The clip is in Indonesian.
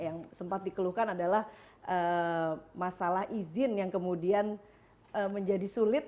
yang sempat dikeluhkan adalah masalah izin yang kemudian menjadi sulit